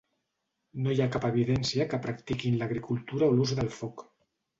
No hi ha cap evidència que practiquin l'agricultura o l'ús del foc.